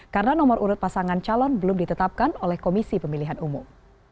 karena nomor urut pasangan calon belum ditetapkan oleh komisi pemilihan umum